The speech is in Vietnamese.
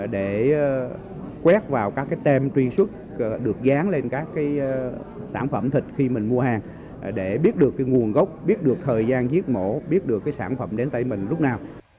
để quét vào các cái tem truy xuất được dán lên các cái sản phẩm thịt khi mình mua hàng để biết được nguồn gốc biết được thời gian giết mổ biết được cái sản phẩm đến tay mình lúc nào